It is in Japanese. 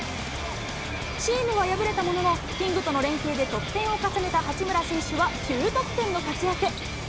チームは敗れたものの、キングとの連係で得点を重ねた八村選手は、９得点の活躍。